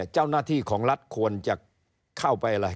เจ้าหน้าที่ของรัฐควรจะเข้าไปอะไร